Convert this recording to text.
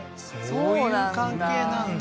そういう関係なんだ